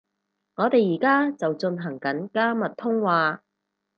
我哋而家就進行緊加密通話